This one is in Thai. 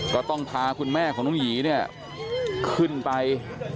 ก็ต้องพาคุณแม่ของน้องหยีเนี่ยขึ้นไป